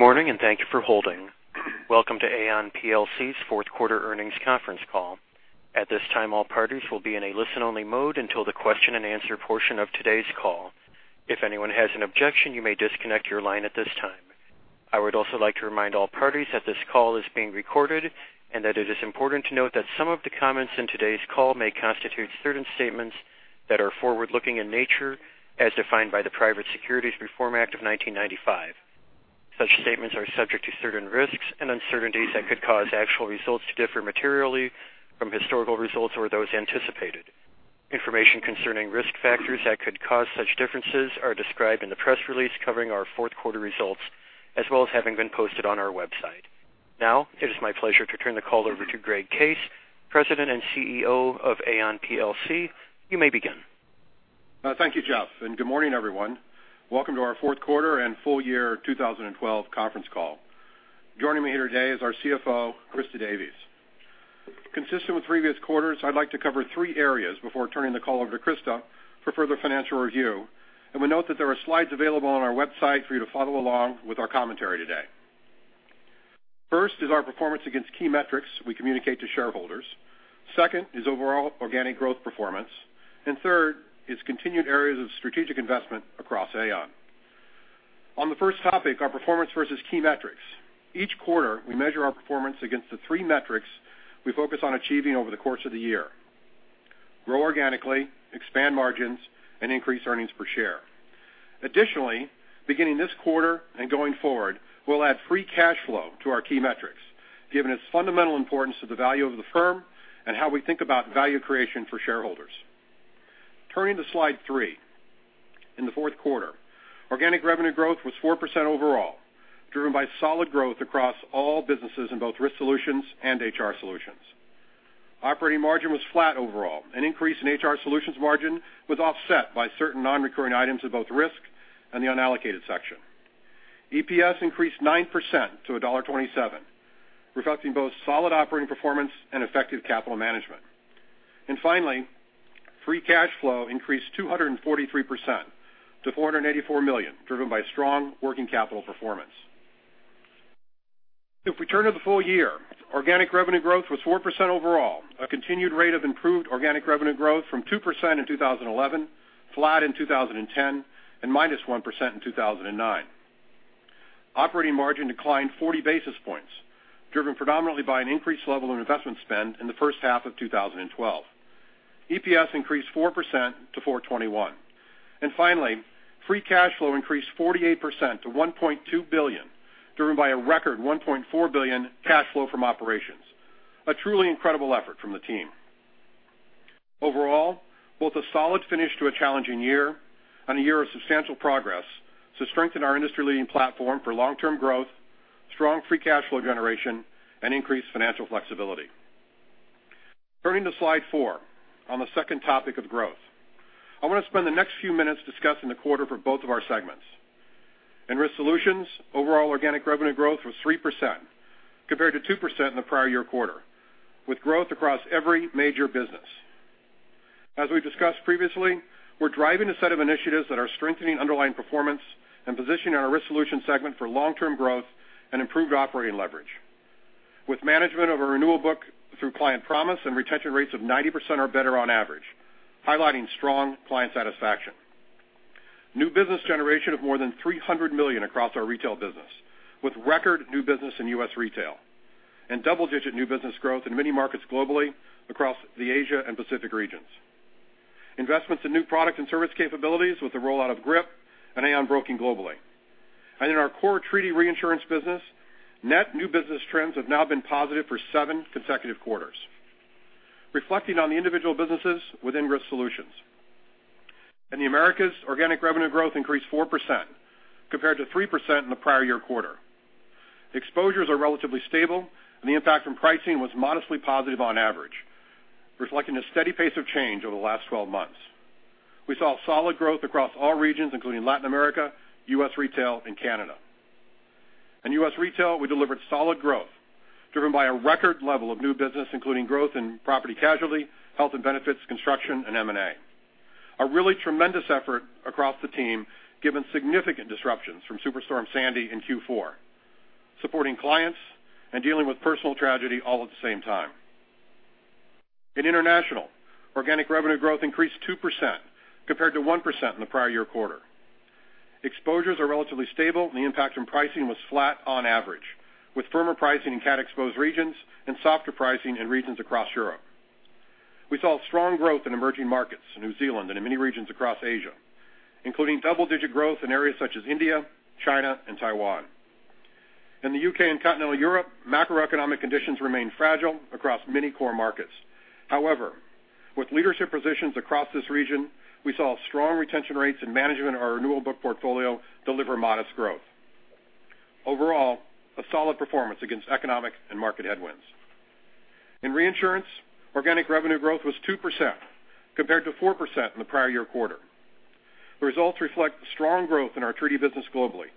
Morning, and thank you for holding. Welcome to Aon PLC's fourth quarter earnings conference call. At this time, all parties will be in a listen-only mode until the question and answer portion of today's call. If anyone has an objection, you may disconnect your line at this time. I would also like to remind all parties that this call is being recorded and that it is important to note that some of the comments in today's call may constitute certain statements that are forward-looking in nature, as defined by the Private Securities Litigation Reform Act of 1995. Such statements are subject to certain risks and uncertainties that could cause actual results to differ materially from historical results or those anticipated. Information concerning risk factors that could cause such differences are described in the press release covering our fourth quarter results, as well as having been posted on our website. It is my pleasure to turn the call over to Greg Case, President and CEO of Aon PLC. You may begin. Thank you, Jeff, and good morning, everyone. Welcome to our fourth quarter and full year 2012 conference call. Joining me here today is our CFO, Christa Davies. Consistent with previous quarters, I'd like to cover three areas before turning the call over to Christa for further financial review. We note that there are slides available on our website for you to follow along with our commentary today. First is our performance against key metrics we communicate to shareholders. Second is overall organic growth performance. Third is continued areas of strategic investment across Aon. On the first topic, our performance versus key metrics. Each quarter, we measure our performance against the three metrics we focus on achieving over the course of the year: grow organically, expand margins, and increase earnings per share. Additionally, beginning this quarter and going forward, we'll add free cash flow to our key metrics, given its fundamental importance to the value of the firm and how we think about value creation for shareholders. Turning to slide three. In the fourth quarter, organic revenue growth was 4% overall, driven by solid growth across all businesses in both Aon Risk Solutions and HR Solutions. Operating margin was flat overall. An increase in HR Solutions margin was offset by certain non-recurring items of both risk and the unallocated section. EPS increased 9% to $1.27, reflecting both solid operating performance and effective capital management. Finally, free cash flow increased 243% to $484 million, driven by strong working capital performance. If we turn to the full year, organic revenue growth was 4% overall, a continued rate of improved organic revenue growth from 2% in 2011, flat in 2010, and -1% in 2009. Operating margin declined 40 basis points, driven predominantly by an increased level of investment spend in the first half of 2012. EPS increased 4% to $4.21. Finally, free cash flow increased 48% to $1.2 billion, driven by a record $1.4 billion cash flow from operations. A truly incredible effort from the team. Overall, both a solid finish to a challenging year and a year of substantial progress to strengthen our industry-leading platform for long-term growth, strong free cash flow generation, and increased financial flexibility. Turning to slide four, on the second topic of growth. I want to spend the next few minutes discussing the quarter for both of our segments. In Aon Risk Solutions, overall organic revenue growth was 3% compared to 2% in the prior year quarter, with growth across every major business. As we discussed previously, we're driving a set of initiatives that are strengthening underlying performance and positioning our Aon Risk Solutions segment for long-term growth and improved operating leverage with management of a renewal book through Aon Client Promise and retention rates of 90% or better on average, highlighting strong client satisfaction. New business generation of more than $300 million across our retail business, with record new business in U.S. retail and double-digit new business growth in many markets globally across the Asia and Pacific regions. Investments in new product and service capabilities with the rollout of GRIP and Aon Broking globally. In our core treaty reinsurance business, net new business trends have now been positive for seven consecutive quarters. Reflecting on the individual businesses within Aon Risk Solutions. In the Americas, organic revenue growth increased 4% compared to 3% in the prior year quarter. Exposures are relatively stable and the impact from pricing was modestly positive on average, reflecting a steady pace of change over the last 12 months. We saw solid growth across all regions, including Latin America, U.S. retail, and Canada. In U.S. retail, we delivered solid growth driven by a record level of new business, including growth in property casualty, health and benefits, construction, and M&A. A really tremendous effort across the team given significant disruptions from Superstorm Sandy in Q4, supporting clients and dealing with personal tragedy all at the same time. In international, organic revenue growth increased 2% compared to 1% in the prior year quarter. Exposures are relatively stable and the impact from pricing was flat on average, with firmer pricing in cat-exposed regions and softer pricing in regions across Europe. We saw strong growth in emerging markets, New Zealand, and in many regions across Asia, including double-digit growth in areas such as India, China, and Taiwan. In the U.K. and Continental Europe, macroeconomic conditions remain fragile across many core markets. However, with leadership positions across this region, we saw strong retention rates and management of our renewal book portfolio deliver modest growth. Overall, a solid performance against economic and market headwinds. In reinsurance, organic revenue growth was 2% compared to 4% in the prior year quarter. The results reflect strong growth in our treaty business globally,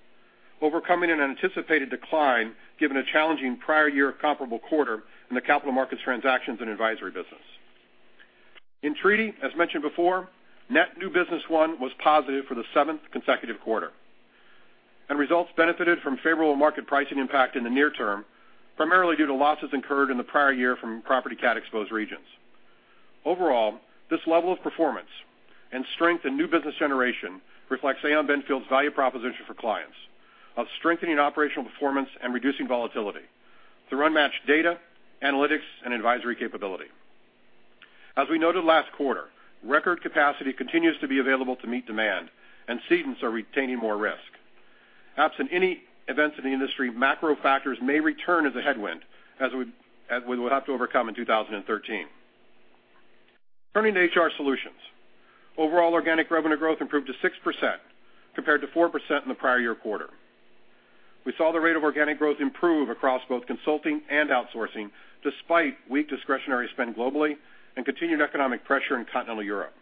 overcoming an anticipated decline given a challenging prior year comparable quarter in the capital markets transactions and advisory business. In treaty, as mentioned before, net new business won was positive for the seventh consecutive quarter. Results benefited from favorable market pricing impact in the near term, primarily due to losses incurred in the prior year from property cat-exposed regions. Overall, this level of performance and strength in new business generation reflects Aon Benfield's value proposition for clients of strengthening operational performance and reducing volatility through unmatched data, analytics, and advisory capability. As we noted last quarter, record capacity continues to be available to meet demand, and cedents are retaining more risk. Absent any events in the industry, macro factors may return as a headwind as we would have to overcome in 2013. Turning to HR Solutions. Overall organic revenue growth improved to 6% compared to 4% in the prior year quarter. We saw the rate of organic growth improve across both consulting and outsourcing, despite weak discretionary spend globally and continued economic pressure in continental Europe.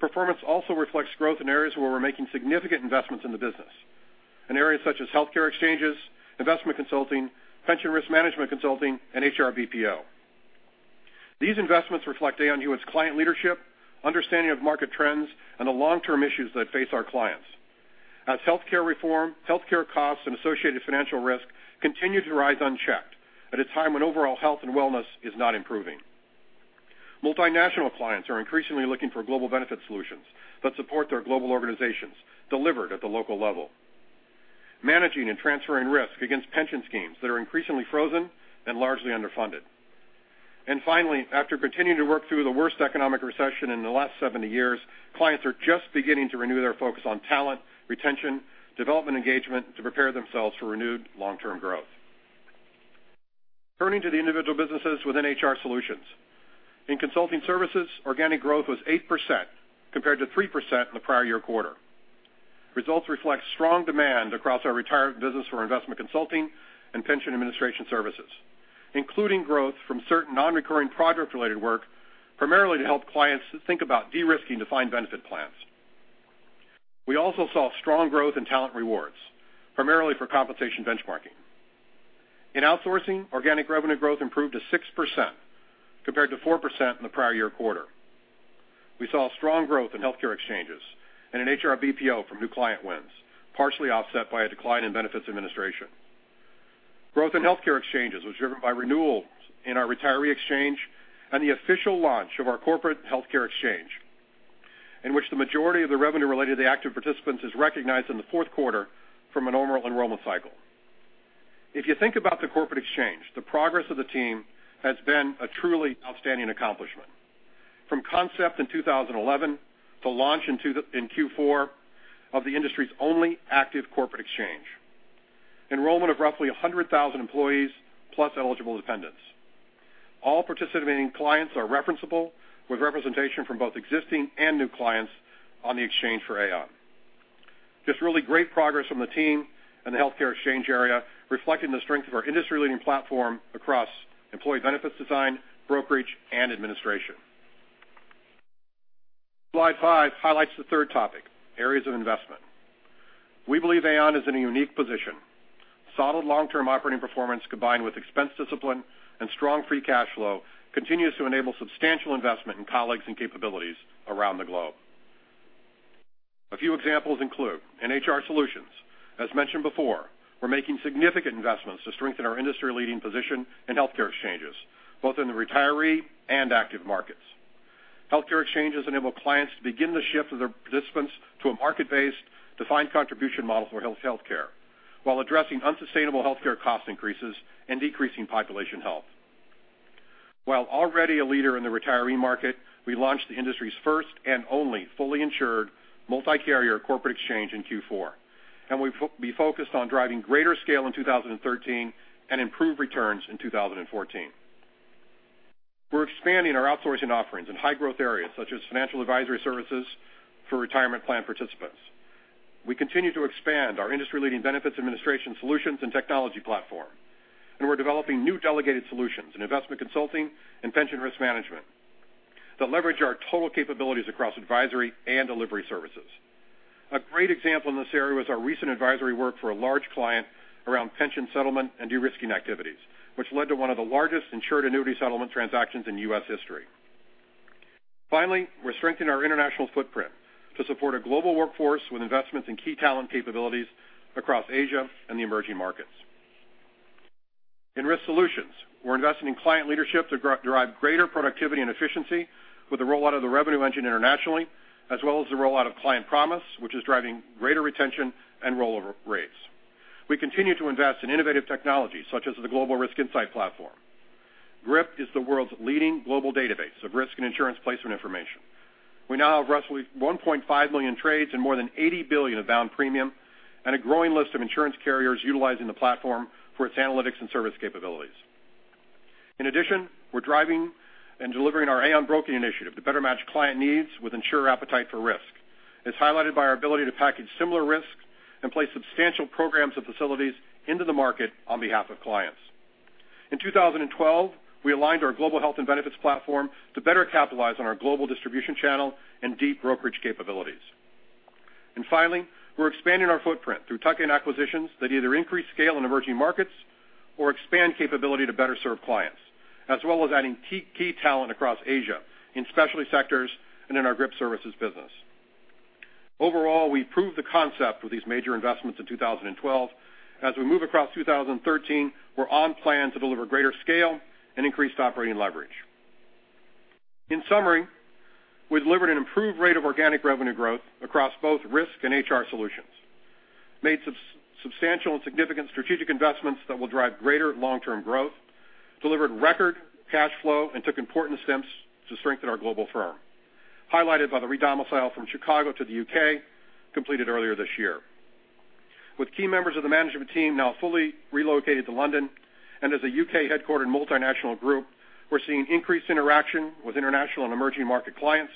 Performance also reflects growth in areas where we're making significant investments in the business, in areas such as healthcare exchanges, investment consulting, pension risk management consulting, and HR BPO. These investments reflect Aon Hewitt's client leadership, understanding of market trends, and the long-term issues that face our clients. As healthcare reform, healthcare costs, and associated financial risk continue to rise unchecked at a time when overall health and wellness is not improving. Multinational clients are increasingly looking for global benefit solutions that support their global organizations, delivered at the local level, managing and transferring risk against pension schemes that are increasingly frozen and largely underfunded. Finally, after continuing to work through the worst economic recession in the last 70 years, clients are just beginning to renew their focus on talent, retention, development engagement, to prepare themselves for renewed long-term growth. Turning to the individual businesses within HR Solutions. In consulting services, organic growth was 8% compared to 3% in the prior year quarter. Results reflect strong demand across our retirement business for investment consulting and pension administration services, including growth from certain non-recurring project-related work, primarily to help clients to think about de-risking defined benefit plans. We also saw strong growth in talent rewards, primarily for compensation benchmarking. In outsourcing, organic revenue growth improved to 6% compared to 4% in the prior year quarter. We saw strong growth in healthcare exchanges and in HR BPO from new client wins, partially offset by a decline in benefits administration. Growth in healthcare exchanges was driven by renewals in our retiree exchange and the official launch of our corporate healthcare exchange, in which the majority of the revenue related to the active participants is recognized in the fourth quarter from a normal enrollment cycle. If you think about the corporate exchange, the progress of the team has been a truly outstanding accomplishment. From concept in 2011 to launch in Q4 of the industry's only active corporate exchange. Enrollment of roughly 100,000 employees plus eligible dependents. All participating clients are referenceable, with representation from both existing and new clients on the exchange for Aon. Just really great progress from the team in the healthcare exchange area, reflecting the strength of our industry-leading platform across employee benefits design, brokerage, and administration. Slide five highlights the third topic, areas of investment. We believe Aon is in a unique position. Solid long-term operating performance, combined with expense discipline and strong free cash flow, continues to enable substantial investment in colleagues and capabilities around the globe. A few examples include in HR Solutions, as mentioned before, we're making significant investments to strengthen our industry-leading position in healthcare exchanges, both in the retiree and active markets. Healthcare exchanges enable clients to begin the shift of their participants to a market-based defined contribution model for health care, while addressing unsustainable healthcare cost increases and decreasing population health. While already a leader in the retiree market, we launched the industry's first and only fully insured multi-carrier corporate exchange in Q4, and we'll be focused on driving greater scale in 2013 and improved returns in 2014. We're expanding our outsourcing offerings in high-growth areas such as financial advisory services for retirement plan participants. We continue to expand our industry-leading benefits administration solutions and technology platform, and we're developing new delegated solutions in investment consulting and pension risk management that leverage our total capabilities across advisory and delivery services. A great example in this area was our recent advisory work for a large client around pension settlement and de-risking activities, which led to one of the largest insured annuity settlement transactions in U.S. history. Finally, we're strengthening our international footprint to support a global workforce with investments in key talent capabilities across Asia and the emerging markets. In Risk Solutions, we're investing in client leadership to derive greater productivity and efficiency with the rollout of the Revenue Engine internationally, as well as the rollout of Client Promise, which is driving greater retention and rollover rates. We continue to invest in innovative technologies such as the Global Risk Insight Platform. GRIP is the world's leading global database of risk and insurance placement information. We now have roughly 1.5 million trades and more than $80 billion of bound premium and a growing list of insurance carriers utilizing the platform for its analytics and service capabilities. In addition, we're driving and delivering our Aon Broking initiative to better match client needs with insurer appetite for risk. It's highlighted by our ability to package similar risk and place substantial programs and facilities into the market on behalf of clients. In 2012, we aligned our global health and benefits platform to better capitalize on our global distribution channel and deep brokerage capabilities. Finally, we're expanding our footprint through tuck-in acquisitions that either increase scale in emerging markets or expand capability to better serve clients, as well as adding key talent across Asia, in specialty sectors, and in our GRIP Services business. Overall, we proved the concept with these major investments in 2012. As we move across 2013, we're on plan to deliver greater scale and increased operating leverage. In summary, we've delivered an improved rate of organic revenue growth across both risk and HR Solutions, made substantial and significant strategic investments that will drive greater long-term growth, delivered record cash flow, and took important steps to strengthen our global firm, highlighted by the re-domicile from Chicago to the U.K., completed earlier this year. With key members of the management team now fully relocated to London, and as a U.K.-headquartered multinational group, we're seeing increased interaction with international and emerging market clients,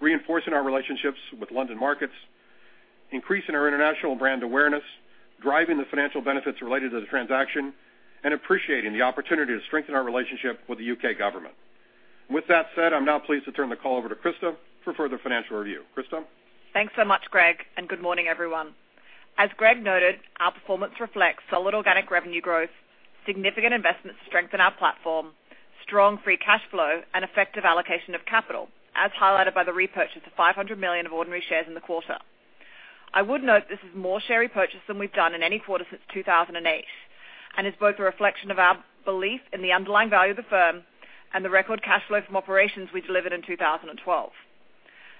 reinforcing our relationships with London markets, increasing our international brand awareness, driving the financial benefits related to the transaction, and appreciating the opportunity to strengthen our relationship with the U.K. government. With that said, I'm now pleased to turn the call over to Christa for further financial review. Christa? Thanks so much, Greg. Good morning, everyone. As Greg noted, our performance reflects solid organic revenue growth, significant investments to strengthen our platform, strong free cash flow, and effective allocation of capital, as highlighted by the repurchase of $500 million of ordinary shares in the quarter. I would note this is more share repurchase than we've done in any quarter since 2008, and is both a reflection of our belief in the underlying value of the firm and the record cash flow from operations we delivered in 2012.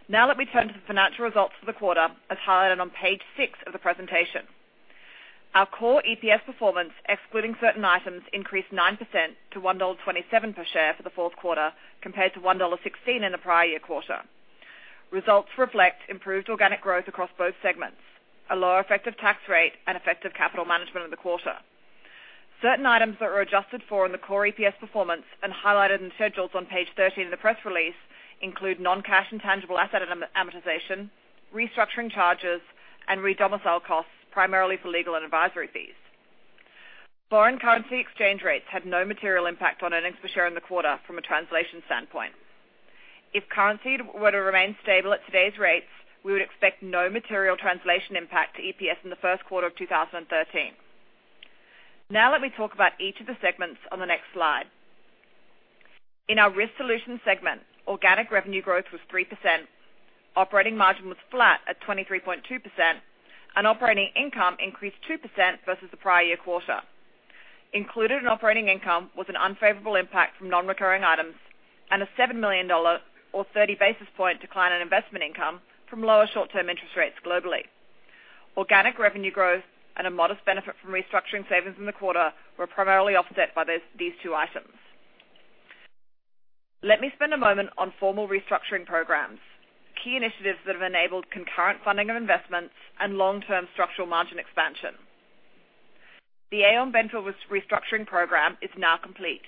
Let me turn to the financial results for the quarter, as highlighted on page six of the presentation. Our core EPS performance, excluding certain items, increased 9% to $1.27 per share for the fourth quarter, compared to $1.16 in the prior year quarter. Results reflect improved organic growth across both segments, a lower effective tax rate, and effective capital management in the quarter. Certain items that were adjusted for in the core EPS performance, and highlighted in schedules on page 13 of the press release, include non-cash and tangible asset amortization, restructuring charges, and re-domicile costs, primarily for legal and advisory fees. Foreign currency exchange rates had no material impact on earnings per share in the quarter from a translation standpoint. If currency were to remain stable at today's rates, we would expect no material translation impact to EPS in the first quarter of 2013. Let me talk about each of the segments on the next slide. In our Risk Solutions segment, organic revenue growth was 3%, operating margin was flat at 23.2%, and operating income increased 2% versus the prior year quarter. Included in operating income was an unfavorable impact from non-recurring items and a $7 million, or 30 basis point, decline in investment income from lower short-term interest rates globally. Organic revenue growth and a modest benefit from restructuring savings in the quarter were primarily offset by these two items. Let me spend a moment on formal restructuring programs, key initiatives that have enabled concurrent funding of investments and long-term structural margin expansion. The Aon Benfield restructuring program is now complete.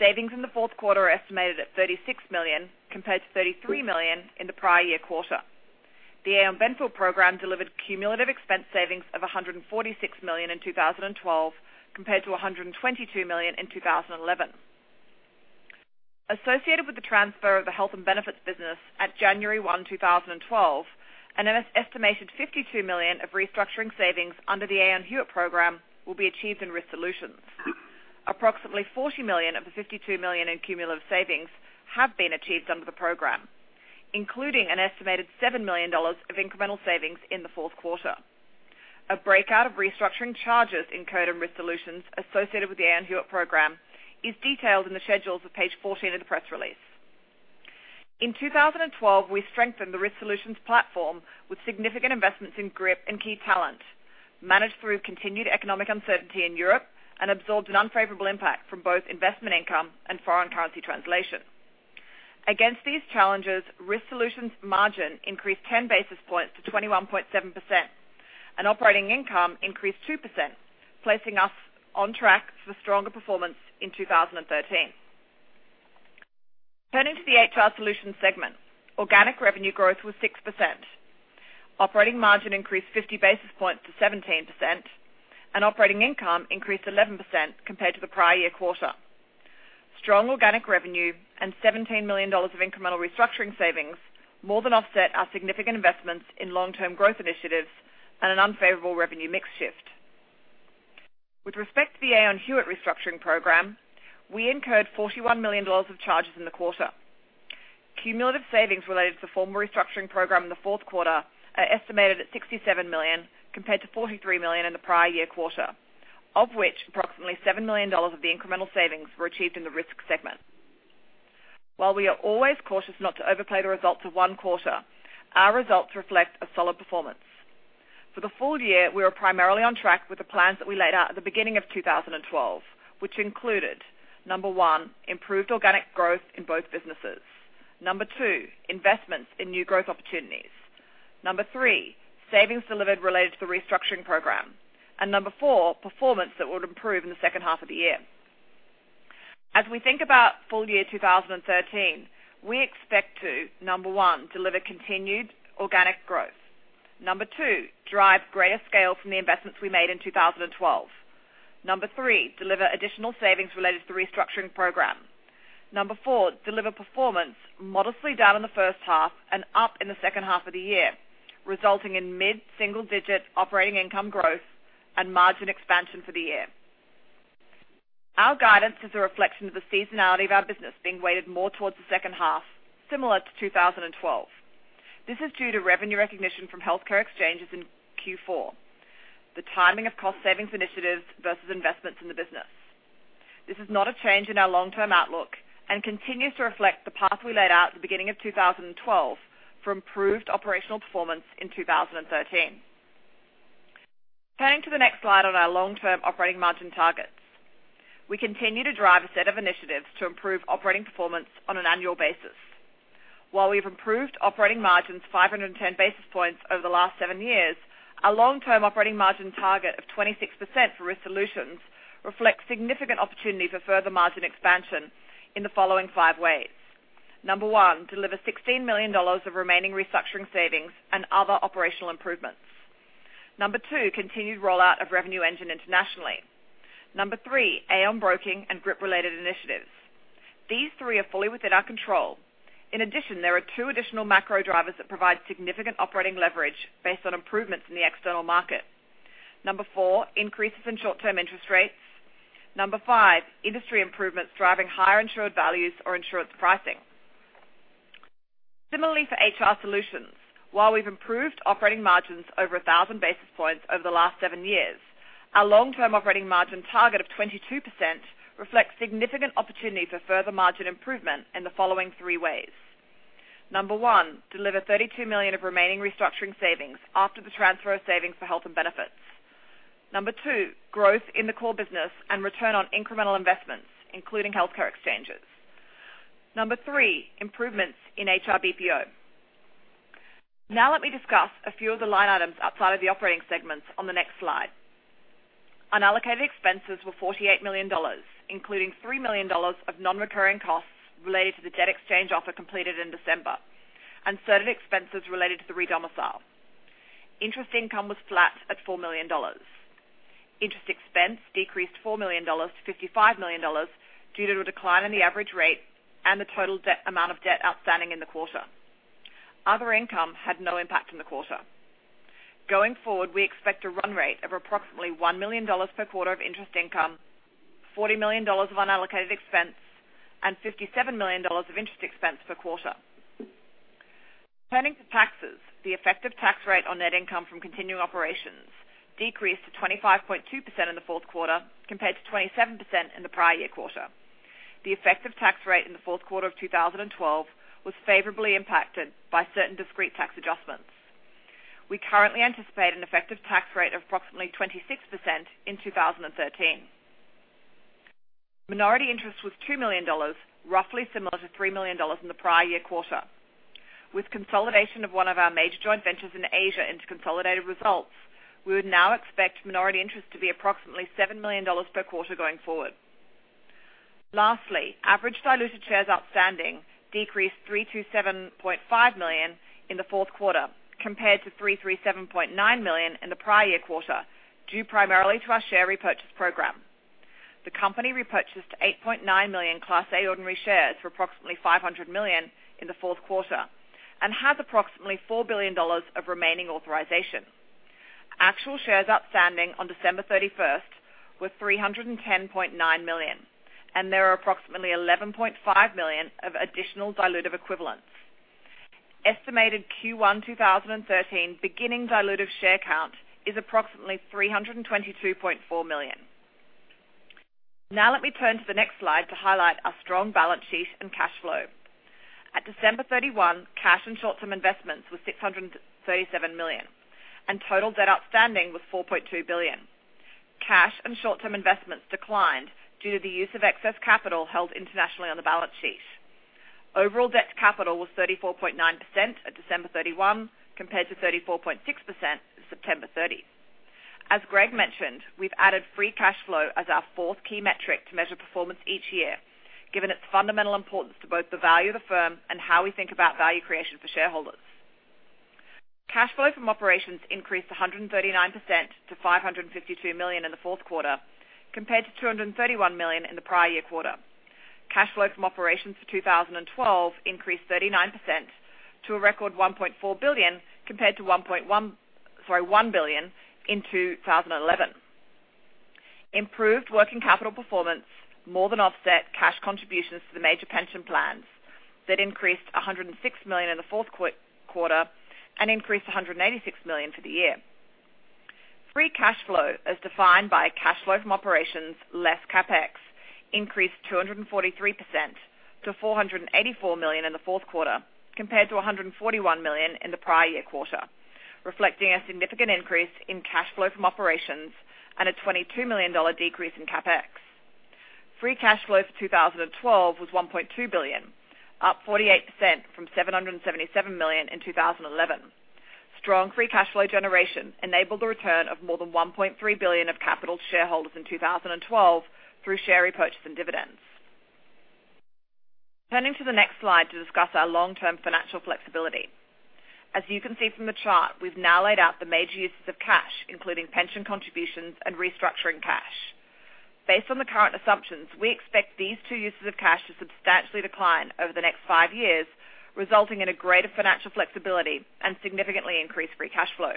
Savings in the fourth quarter are estimated at $36 million, compared to $33 million in the prior year quarter. The Aon Benfield program delivered cumulative expense savings of $146 million in 2012, compared to $122 million in 2011. Associated with the transfer of the health and benefits business at January 1, 2012, an estimated $52 million of restructuring savings under the Aon Hewitt program will be achieved in Risk Solutions. Approximately $40 million of the $52 million in cumulative savings have been achieved under the program, including an estimated $7 million of incremental savings in the fourth quarter. A breakout of restructuring charges incurred in Risk Solutions associated with the Aon Hewitt program is detailed in the schedules of page 14 of the press release. In 2012, we strengthened the Risk Solutions platform with significant investments in GRIP and key talent, managed through continued economic uncertainty in Europe, and absorbed an unfavorable impact from both investment income and foreign currency translation. Against these challenges, Risk Solutions margin increased 10 basis points to 21.7%, and operating income increased 2%, placing us on track for stronger performance in 2013. Turning to the HR Solutions segment, organic revenue growth was 6%. Operating margin increased 50 basis points to 17%, and operating income increased 11% compared to the prior year quarter. Strong organic revenue and $17 million of incremental restructuring savings more than offset our significant investments in long-term growth initiatives and an unfavorable revenue mix shift. With respect to the Aon Hewitt restructuring program, we incurred $41 million of charges in the quarter. Cumulative savings related to the formal restructuring program in the fourth quarter are estimated at $67 million, compared to $43 million in the prior year quarter, of which approximately $7 million of the incremental savings were achieved in the Risk segment. While we are always cautious not to overplay the results of one quarter, our results reflect a solid performance. For the full year, we are primarily on track with the plans that we laid out at the beginning of 2012, which included, number 1, improved organic growth in both businesses. Number 2, investments in new growth opportunities. Number 3, savings delivered related to the restructuring program. Number 4, performance that would improve in the second half of the year. As we think about full year 2013, we expect to, number 1, deliver continued organic growth. Number 2, drive greater scale from the investments we made in 2012. Number 3, deliver additional savings related to the restructuring program. Number 4, deliver performance modestly down in the first half and up in the second half of the year, resulting in mid-single-digit operating income growth and margin expansion for the year. Our guidance is a reflection of the seasonality of our business being weighted more towards the second half, similar to 2012. This is due to revenue recognition from healthcare exchanges in Q4, the timing of cost savings initiatives versus investments in the business. This is not a change in our long-term outlook and continues to reflect the path we laid out at the beginning of 2012 for improved operational performance in 2013. Turning to the next slide on our long-term operating margin targets. We continue to drive a set of initiatives to improve operating performance on an annual basis. While we've improved operating margins 510 basis points over the last seven years, our long-term operating margin target of 26% for Risk Solutions reflects significant opportunity for further margin expansion in the following five ways. Number 1, deliver $16 million of remaining restructuring savings and other operational improvements. Number 2, continued rollout of Revenue Engine internationally. Number 3, Aon Broking and GRIP-related initiatives. These three are fully within our control. In addition, there are two additional macro drivers that provide significant operating leverage based on improvements in the external market. Number 4, increases in short-term interest rates. Number 5, industry improvements driving higher insured values or insurance pricing. Similarly for HR Solutions, while we've improved operating margins over 1,000 basis points over the last seven years, our long-term operating margin target of 22% reflects significant opportunity for further margin improvement in the following three ways. Number 1, deliver $32 million of remaining restructuring savings after the transfer of savings for health and benefits. Number 2, growth in the core business and return on incremental investments, including healthcare exchanges. Number 3, improvements in HR BPO. Let me discuss a few of the line items outside of the operating segments on the next slide. Unallocated expenses were $48 million, including $3 million of non-recurring costs related to the debt exchange offer completed in December, and certain expenses related to the re-domicile. Interest income was flat at $4 million. Interest expense decreased $4 million to $55 million due to a decline in the average rate and the total amount of debt outstanding in the quarter. Other income had no impact in the quarter. Going forward, we expect a run rate of approximately GBP 1 million per quarter of interest income, GBP 40 million of unallocated expense, and GBP 57 million of interest expense per quarter. Turning to taxes, the effective tax rate on net income from continuing operations decreased to 25.2% in the fourth quarter compared to 27% in the prior year quarter. The effective tax rate in the fourth quarter of 2012 was favorably impacted by certain discrete tax adjustments. We currently anticipate an effective tax rate of approximately 26% in 2013. Minority interest was GBP 2 million, roughly similar to GBP 3 million in the prior year quarter. With consolidation of one of our major joint ventures in Asia into consolidated results, we would now expect minority interest to be approximately GBP 7 million per quarter going forward. Average diluted shares outstanding decreased 327.5 million in the fourth quarter compared to 337.9 million in the prior year quarter, due primarily to our share repurchase program. The company repurchased 8.9 million Class A ordinary shares for approximately $500 million in the fourth quarter and has approximately GBP 4 billion of remaining authorization. Actual shares outstanding on December 31st were 310.9 million, and there are approximately 11.5 million of additional dilutive equivalents. Estimated Q1 2013 beginning dilutive share count is approximately 322.4 million. Let me turn to the next slide to highlight our strong balance sheet and cash flow. At December 31, cash and short-term investments were 637 million, and total debt outstanding was $4.2 billion. Cash and short-term investments declined due to the use of excess capital held internationally on the balance sheet. Overall debt to capital was 34.9% at December 31, compared to 34.6% at September 30. As Greg mentioned, we've added free cash flow as our fourth key metric to measure performance each year, given its fundamental importance to both the value of the firm and how we think about value creation for shareholders. Cash flow from operations increased 139% to 552 million in the fourth quarter, compared to 231 million in the prior year quarter. Cash flow from operations for 2012 increased 39% to a record 1.4 billion compared to 1 billion in 2011. Improved working capital performance more than offset cash contributions to the major pension plans that increased 106 million in the fourth quarter and increased 186 million for the year. Free cash flow, as defined by cash flow from operations less CapEx, increased 243% to $484 million in the fourth quarter, compared to 141 million in the prior year quarter, reflecting a significant increase in cash flow from operations and a GBP 22 million decrease in CapEx. Free cash flow for 2012 was 1.2 billion, up 48% from 777 million in 2011. Strong free cash flow generation enabled the return of more than 1.3 billion of capital to shareholders in 2012 through share repurchase and dividends. Turning to the next slide to discuss our long-term financial flexibility. As you can see from the chart, we've now laid out the major uses of cash, including pension contributions and restructuring cash. Based on the current assumptions, we expect these two uses of cash to substantially decline over the next five years, resulting in greater financial flexibility and significantly increased free cash flow.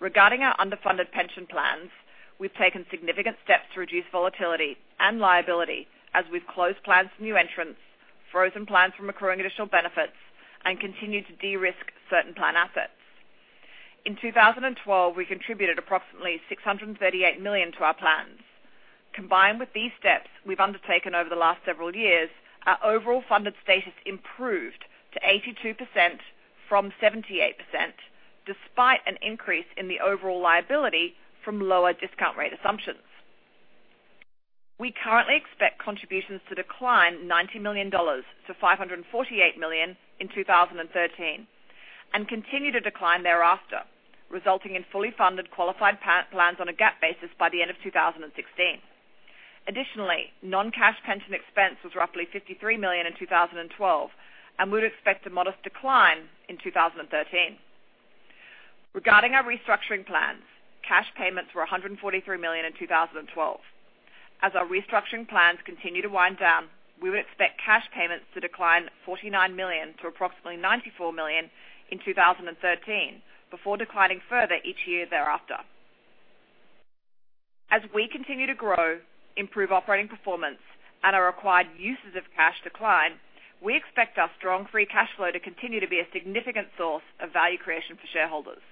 Regarding our underfunded pension plans, we've taken significant steps to reduce volatility and liability as we've closed plans to new entrants, frozen plans from accruing additional benefits, and continued to de-risk certain plan assets. In 2012, we contributed approximately $638 million to our plans. Combined with these steps we've undertaken over the last several years, our overall funded status improved to 82% from 78%, despite an increase in the overall liability from lower discount rate assumptions. We currently expect contributions to decline $90 million to $548 million in 2013 and continue to decline thereafter, resulting in fully funded qualified plans on a GAAP basis by the end of 2016. Additionally, non-cash pension expense was roughly $53 million in 2012, and we would expect a modest decline in 2013. Regarding our restructuring plans, cash payments were $143 million in 2012. Our restructuring plans continue to wind down, we would expect cash payments to decline $49 million to approximately $94 million in 2013, before declining further each year thereafter. As we continue to grow, improve operating performance, and our required uses of cash decline, we expect our strong free cash flow to continue to be a significant source of value creation for shareholders.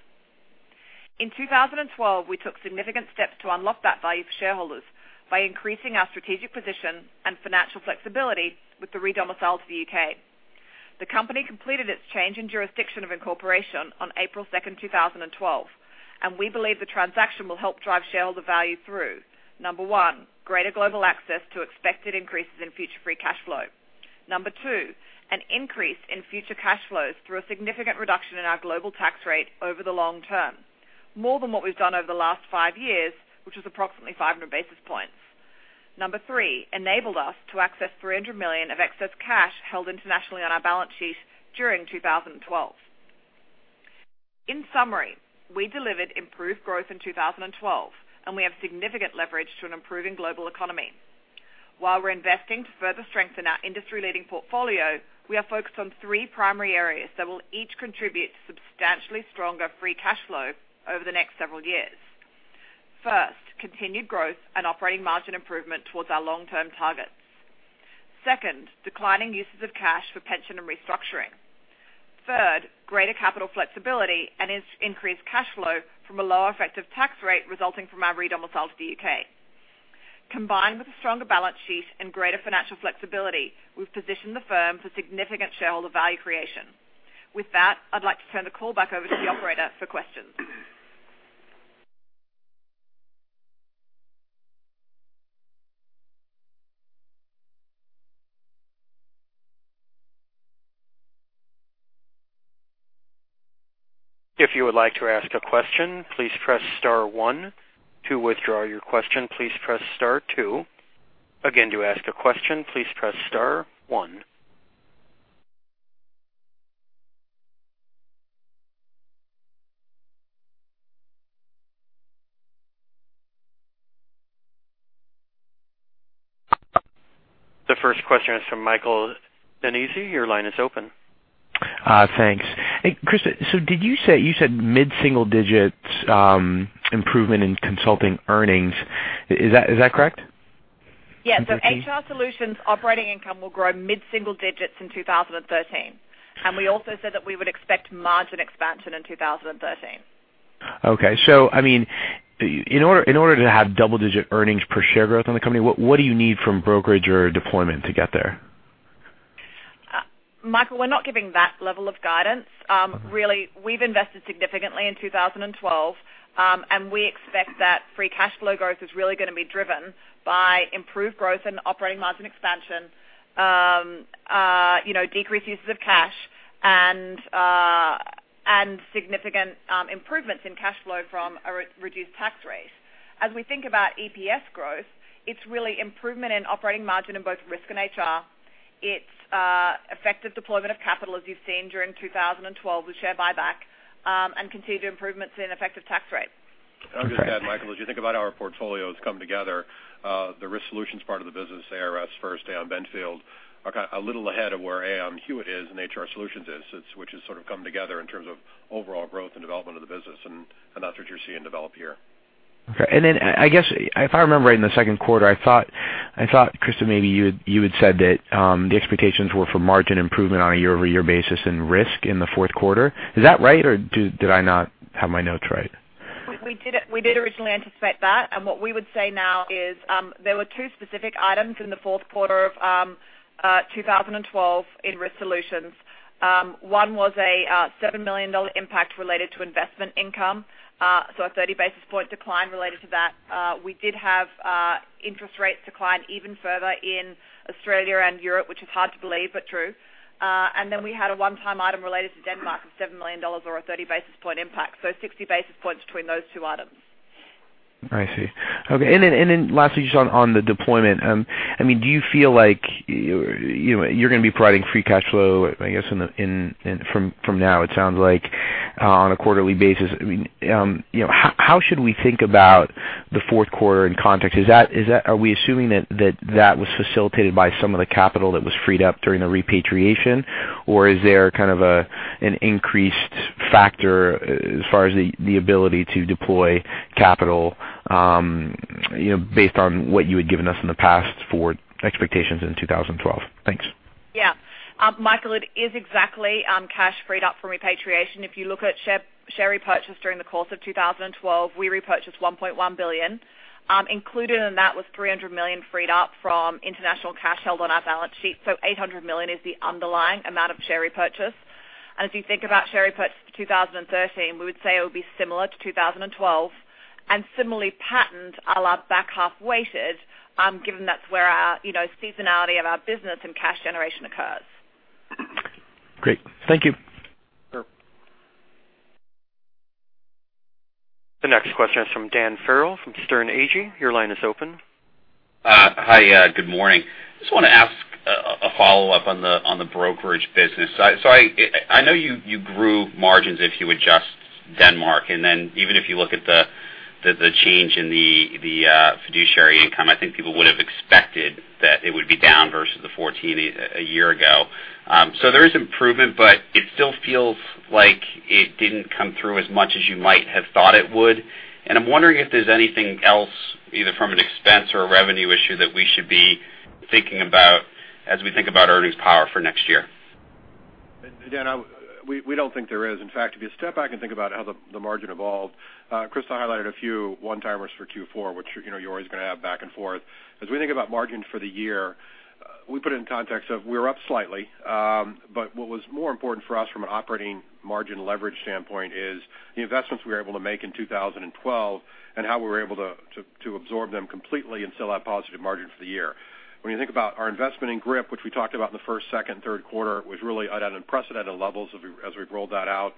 In 2012, we took significant steps to unlock that value for shareholders by increasing our strategic position and financial flexibility with the redomicile to the U.K. The company completed its change in jurisdiction of incorporation on April 2nd, 2012, and we believe the transaction will help drive shareholder value through, number one, greater global access to expected increases in future free cash flow. Number two, an increase in future cash flows through a significant reduction in our global tax rate over the long term, more than what we've done over the last five years, which is approximately 500 basis points. Number three enabled us to access $300 million of excess cash held internationally on our balance sheet during 2012. In summary, we delivered improved growth in 2012, and we have significant leverage to an improving global economy. While we're investing to further strengthen our industry-leading portfolio, we are focused on three primary areas that will each contribute to substantially stronger free cash flow over the next several years. First, continued growth and operating margin improvement towards our long-term targets. Second, declining uses of cash for pension and restructuring. Third, greater capital flexibility and increased cash flow from a lower effective tax rate resulting from our redomicile to the U.K. Combined with a stronger balance sheet and greater financial flexibility, we've positioned the firm for significant shareholder value creation. With that, I'd like to turn the call back over to the operator for questions. If you would like to ask a question, please press star one. To withdraw your question, please press star two. Again, to ask a question, please press star one. The first question is from Michael Beneze. Your line is open. Thanks. Christa, you said mid-single digits improvement in consulting earnings. Is that correct? Yes. HR Solutions operating income will grow mid-single digits in 2013. We also said that we would expect margin expansion in 2013. Okay. In order to have double-digit earnings per share growth in the company, what do you need from brokerage or deployment to get there? Michael, we're not giving that level of guidance. Okay. Really, we've invested significantly in 2012, and we expect that free cash flow growth is really going to be driven by improved growth and operating margin expansion, decreased uses of cash, and significant improvements in cash flow from a reduced tax rate. As we think about EPS growth, it's really improvement in operating margin in both Risk and HR. It's effective deployment of capital, as you've seen during 2012 with share buyback, and continued improvements in effective tax rate. I'll just add, Michael, as you think about our portfolios come together, the Risk Solutions part of the business, ARS, Aon Benfield, are a little ahead of where Aon Hewitt is and HR Solutions is, which has sort of come together in terms of overall growth and development of the business. That's what you're seeing develop here. Okay. Then I guess if I remember right, in the second quarter, I thought, Christa, maybe you had said that the expectations were for margin improvement on a year-over-year basis in Risk in the fourth quarter. Is that right, or did I not have my notes right? We did originally anticipate that. What we would say now is there were two specific items in the fourth quarter of 2012 in Aon Risk Solutions. One was a $7 million impact related to investment income, so a 30-basis point decline related to that. We did have interest rates decline even further in Australia and Europe, which is hard to believe, but true. Then we had a one-time item related to Denmark of $7 million or a 30-basis point impact, so 60 basis points between those two items. I see. Okay. Then lastly, just on the deployment. Do you feel like you're going to be providing free cash flow, I guess, from now it sounds like on a quarterly basis. How should we think about the fourth quarter in context? Are we assuming that that was facilitated by some of the capital that was freed up during the repatriation? Or is there kind of an increased factor as far as the ability to deploy capital based on what you had given us in the past for expectations in 2012? Thanks. Yeah. Michael, it is exactly cash freed up from repatriation. If you look at share repurchase during the course of 2012, we repurchased $1.1 billion. Included in that was $300 million freed up from international cash held on our balance sheet. $800 million is the underlying amount of share repurchase. If you think about share repurchase for 2013, we would say it would be similar to 2012, and similarly patterned, our back half weighted, given that's where our seasonality of our business and cash generation occurs. Great. Thank you. Sure. The next question is from Dan Farrell from Sterne Agee. Your line is open. Hi, good morning. Just want to ask a follow-up on the brokerage business. I know you grew margins if you adjust Denmark, and then even if you look at the change in the fiduciary income, I think people would have expected that it would be down versus the [14% a year ago]. There is improvement, but it still feels like it didn't come through as much as you might have thought it would. I'm wondering if there's anything else, either from an expense or a revenue issue, that we should be thinking about as we think about earnings power for next year. Dan, we don't think there is. In fact, if you step back and think about how the margin evolved, Christa highlighted a few one-timers for Q4, which you're always going to have back and forth. As we think about margin for the year, we put it in context of we were up slightly. What was more important for us from an operating margin leverage standpoint is the investments we were able to make in 2012 and how we were able to absorb them completely and still have positive margin for the year. When you think about our investment in GRIP, which we talked about in the first, second, and third quarter, it was really at unprecedented levels as we've rolled that out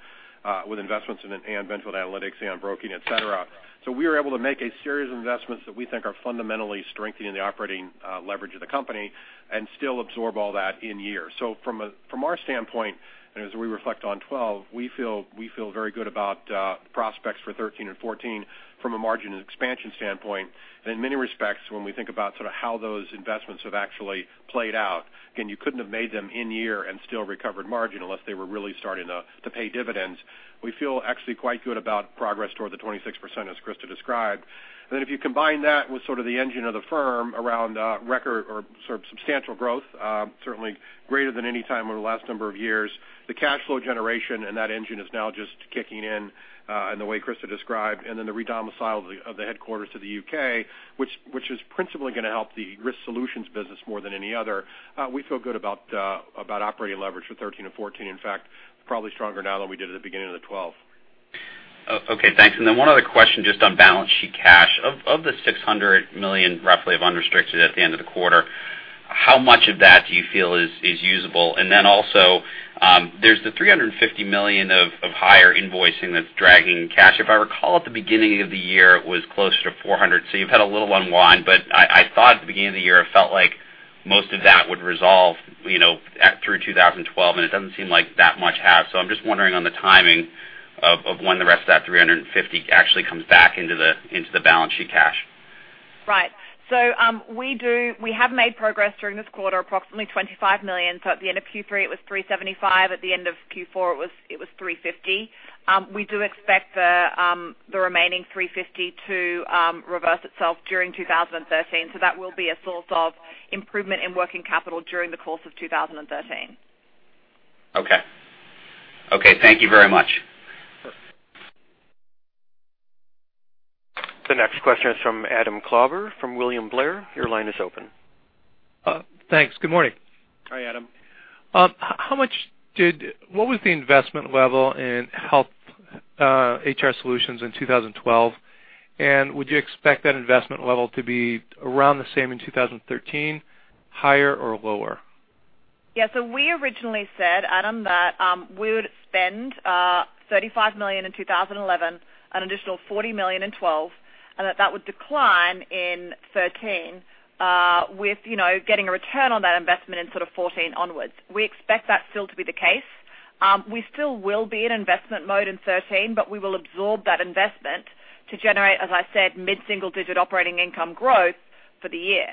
with investments in Aon Benfield Analytics, Aon Broking, et cetera. We were able to make a series of investments that we think are fundamentally strengthening the operating leverage of the company and still absorb all that in year. From our standpoint, as we reflect on 2012, we feel very good about the prospects for 2013 and 2014 from a margin expansion standpoint. In many respects, when we think about how those investments have actually played out, again, you couldn't have made them in year and still recovered margin unless they were really starting to pay dividends. We feel actually quite good about progress toward the 26%, as Christa described. If you combine that with sort of the engine of the firm around record or substantial growth, certainly greater than any time over the last number of years, the cash flow generation, and that engine is now just kicking in in the way Christa described, then the redomicile of the headquarters to the U.K., which is principally going to help the Aon Risk Solutions business more than any other. We feel good about operating leverage for 2013 and 2014, in fact, probably stronger now than we did at the beginning of 2012. Okay, thanks. One other question just on balance sheet cash. Of the $600 million roughly of unrestricted at the end of the quarter, how much of that do you feel is usable? Also, there's the $350 million of higher invoicing that's dragging cash. If I recall, at the beginning of the year, it was closer to $400 million, so you've had a little unwind, but I thought at the beginning of the year, it felt like most of that would resolve through 2012, and it doesn't seem like that much has. I'm just wondering on the timing of when the rest of that 350 actually comes back into the balance sheet cash. Right. We have made progress during this quarter, approximately $25 million. At the end of Q3, it was $375 million. At the end of Q4, it was 350. We do expect the remaining 350 to reverse itself during 2013. That will be a source of improvement in working capital during the course of 2013. Okay. Thank you very much. Sure. The next question is from Adam Klauber from William Blair. Your line is open. Thanks. Good morning. Hi, Adam. What was the investment level in health HR Solutions in 2012? Would you expect that investment level to be around the same in 2013, higher or lower? We originally said, Adam, that we would spend $35 million in 2011, an additional $40 million in 2012, and that that would decline in 2013 with getting a return on that investment in sort of 2014 onwards. We expect that still to be the case. We still will be in investment mode in 2013, but we will absorb that investment to generate, as I said, mid-single digit operating income growth for the year.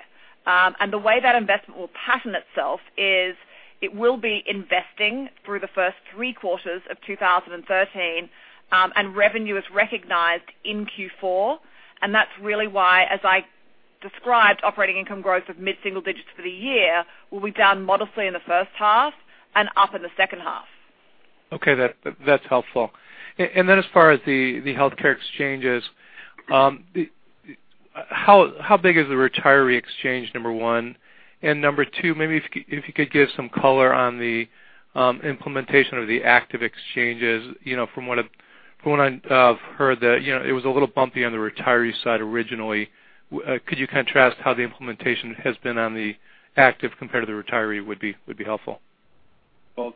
The way that investment will pattern itself is it will be investing through the first three quarters of 2013, and revenue is recognized in Q4. That's really why, as I described, operating income growth of mid-single digits for the year will be down modestly in the first half and up in the second half. Okay, that's helpful. Then as far as the healthcare exchanges, how big is the retiree exchange, number one? Number two, maybe if you could give some color on the implementation of the active exchanges. From what I've heard, that it was a little bumpy on the retiree side originally. Could you contrast how the implementation has been on the active compared to the retiree would be helpful. To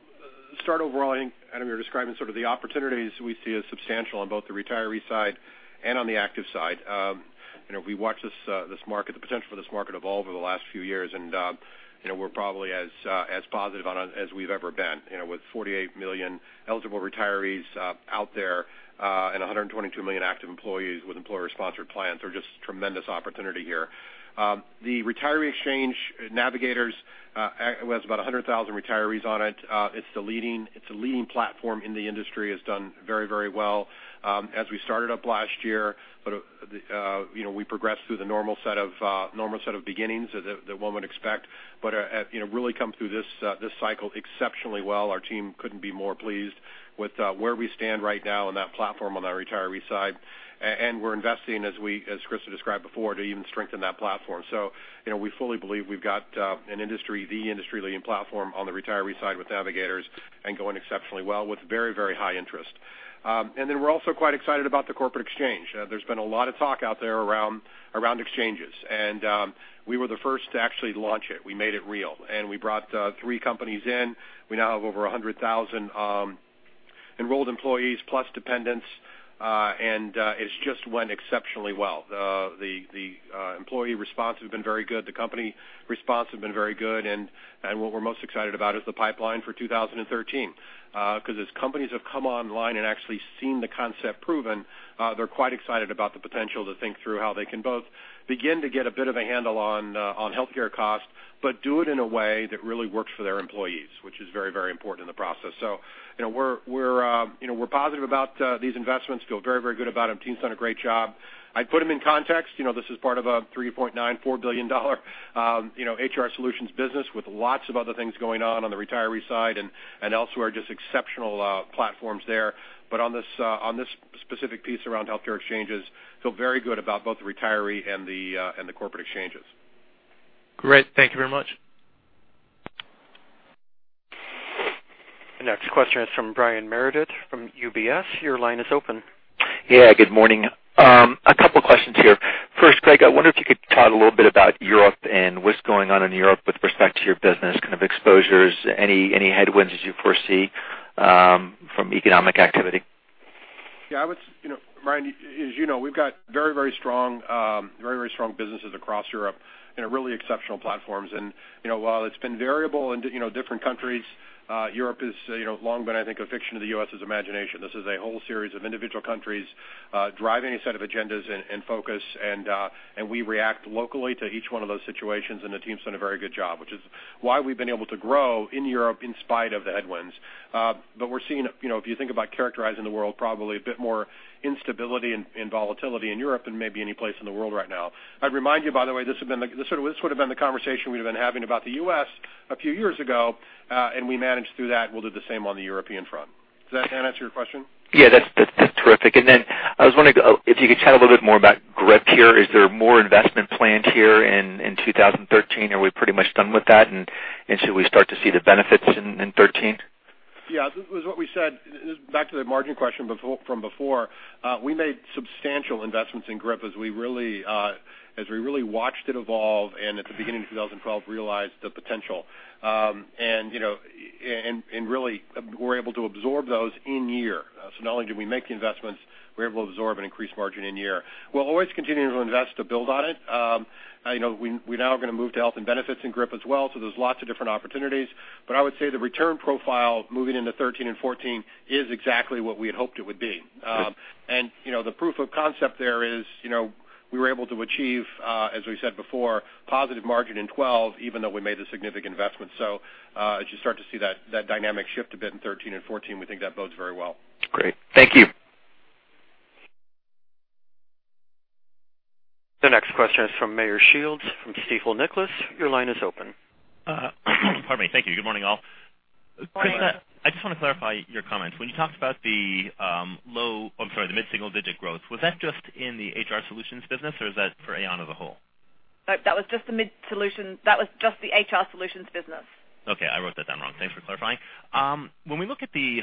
start overall, I think, Adam, you're describing the opportunities we see as substantial on both the retiree side and on the active side. We watch the potential for this market evolve over the last few years, we're probably as positive on it as we've ever been. With 48 million eligible retirees out there and 122 million active employees with employer-sponsored plans, there are just tremendous opportunity here. The retiree exchange Navigators has about 100,000 retirees on it. It's the leading platform in the industry, has done very well. As we started up last year, we progressed through the normal set of beginnings that one would expect, really come through this cycle exceptionally well. Our team couldn't be more pleased with where we stand right now on that platform on our retiree side. We're investing, as Christa described before, to even strengthen that platform. We fully believe we've got the industry-leading platform on the retiree side with Navigators and going exceptionally well with very high interest. We're also quite excited about the corporate exchange. There's been a lot of talk out there around exchanges. We were the first to actually launch it. We made it real, we brought three companies in. We now have over 100,000 enrolled employees plus dependents, it's just went exceptionally well. The employee response has been very good. The company response has been very good, what we're most excited about is the pipeline for 2013. As companies have come online and actually seen the concept proven, they're quite excited about the potential to think through how they can both begin to get a bit of a handle on healthcare costs, but do it in a way that really works for their employees, which is very important in the process. We're positive about these investments, feel very good about them. Team's done a great job. I put them in context. This is part of a $3.94 billion HR Solutions business with lots of other things going on on the retiree side and elsewhere, just exceptional platforms there. On this specific piece around healthcare exchanges, feel very good about both the retiree and the corporate exchanges. Great. Thank you very much. The next question is from Brian Meredith from UBS. Your line is open. Yeah, good morning. A couple questions here. First, Greg, I wonder if you could talk a little bit about Europe and what's going on in Europe with respect to your business exposures. Any headwinds that you foresee from economic activity? Yeah, Brian, as you know, we've got very strong businesses across Europe, really exceptional platforms. While it's been variable in different countries, Europe has long been, I think, a fiction of the U.S.'s imagination. This is a whole series of individual countries driving a set of agendas and focus, and we react locally to each one of those situations, and the team's done a very good job, which is why we've been able to grow in Europe in spite of the headwinds. If you think about characterizing the world, probably a bit more instability and volatility in Europe than maybe any place in the world right now. I'd remind you, by the way, this would have been the conversation we'd have been having about the U.S. a few years ago, and we managed through that, and we'll do the same on the European front. Does that answer your question? Yeah, that's terrific. I was wondering if you could chat a little bit more about GRIP here. Is there more investment planned here in 2013? Are we pretty much done with that? Should we start to see the benefits in 2013? Yeah. Back to the margin question from before, we made substantial investments in GRIP as we really watched it evolve and at the beginning of 2012 realized the potential. Really, we're able to absorb those in-year. Not only did we make the investments, we were able to absorb an increased margin in-year. We'll always continue to invest to build on it. We now are going to move to health and benefits in GRIP as well, so there's lots of different opportunities. I would say the return profile moving into 2013 and 2014 is exactly what we had hoped it would be. Great. The proof of concept there is we were able to achieve, as we said before, positive margin in 2012, even though we made a significant investment. As you start to see that dynamic shift a bit in 2013 and 2014, we think that bodes very well. Great. Thank you. The next question is from Meyer Shields from Stifel Nicolaus. Your line is open. Pardon me. Thank you. Good morning, all. Morning. Christa, I just want to clarify your comment. When you talked about the mid-single digit growth, was that just in the HR Solutions business or is that for Aon as a whole? That was just the HR Solutions business. I wrote that down wrong. Thanks for clarifying. When we look at the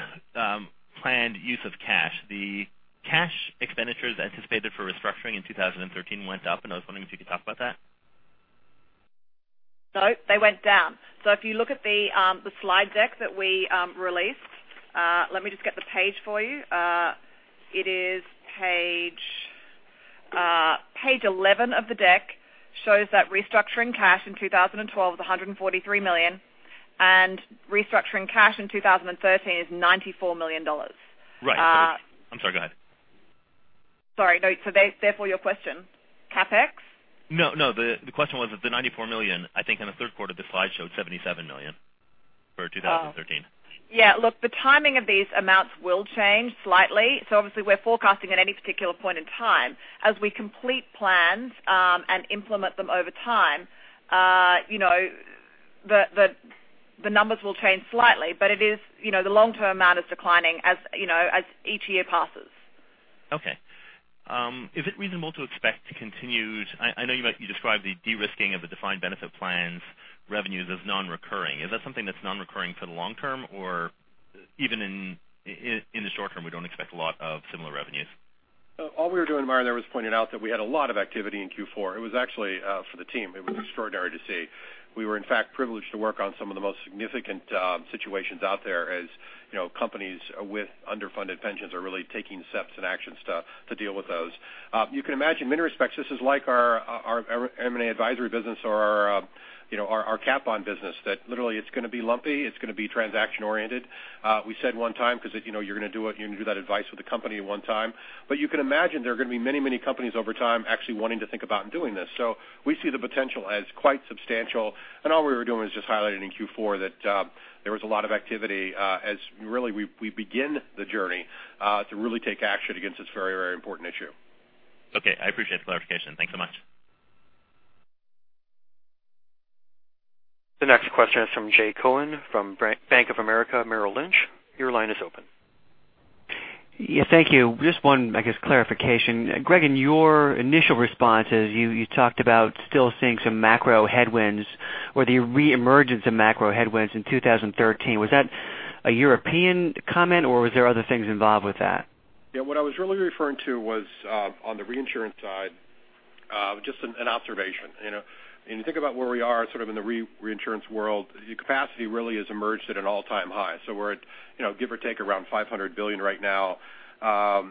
planned use of cash, the cash expenditures anticipated for restructuring in 2013 went up, and I was wondering if you could talk about that. They went down. If you look at the slide deck that we released, let me just get the page for you. It is page 11 of the deck, shows that restructuring cash in 2012 was $143 million and restructuring cash in 2013 is $94 million. Right. I'm sorry, go ahead. Sorry. Therefore your question, CapEx? No, the question was that the $94 million, I think in the third quarter, the slide showed $77 million for 2013. Oh. Yeah, look, the timing of these amounts will change slightly. Obviously we're forecasting at any particular point in time. As we complete plans and implement them over time, the numbers will change slightly, but the long-term amount is declining as each year passes. Okay. Is it reasonable to expect to continue? I know you described the de-risking of the defined benefit plans revenues as non-recurring. Is that something that's non-recurring for the long term? Even in the short term, we don't expect a lot of similar revenues. All we were doing, Meyer, there was pointing out that we had a lot of activity in Q4. It was actually, for the team, it was extraordinary to see. We were, in fact, privileged to work on some of the most significant situations out there as companies with underfunded pensions are really taking steps and actions to deal with those. You can imagine, in many respects, this is like our M&A advisory business or our CapEx business that literally it's going to be lumpy, it's going to be transaction oriented. We said one time because you're going to do that advice with a company at one time. You can imagine there are going to be many companies over time actually wanting to think about and doing this. We see the potential as quite substantial, and all we were doing was just highlighting in Q4 that there was a lot of activity as really we begin the journey to really take action against this very important issue. Okay. I appreciate the clarification. Thanks so much. The next question is from Jay Cohen from Bank of America Merrill Lynch. Your line is open. Yes, thank you. Just one, I guess, clarification. Greg, in your initial responses, you talked about still seeing some macro headwinds or the reemergence of macro headwinds in 2013. Was that a European comment, or were there other things involved with that? Yeah, what I was really referring to was on the reinsurance side just an observation. When you think about where we are sort of in the reinsurance world, the capacity really has emerged at an all-time high. We're at give or take around $500 billion right now. A